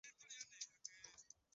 chukua na Chambua yako ya viazi lishe